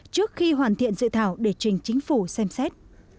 trước khi hoàn thiện dự thảo để trình chính phủ xem xét